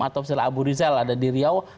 atau misalnya abu rizal ada di riau